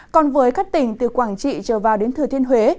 còn với các tỉnh từ quảng trị trở vào đến thừa thiên huế